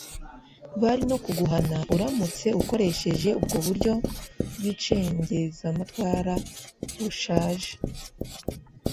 bari no kuguhana uramutse ukoresheje ubwo buryo bw’icengezamatwara bushaje